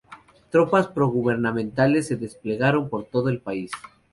Tropas pro-gubernamentales se desplegaron por todo el país.